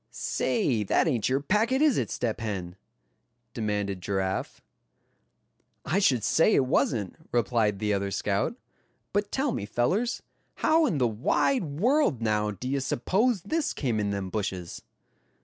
"Say, that ain't your package, is it, Step Hen?" demanded Giraffe. "I should say it wasn't;" replied the other scout; "but tell me, fellers, how in the wide world now, d'ye suppose this came in them bushes?"